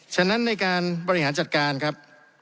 ฉะนั้นในการบริหารจัดการครับ